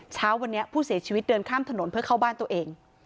เช้าวันนี้ผู้เสียชีวิตเดินข้ามถนนเพื่อเข้าบ้านตัวเอง